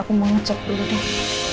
aku mau ngecek dulu diri